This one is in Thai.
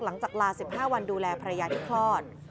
หลังจากลา๑๕วันดูแลภรรยาที่คลอด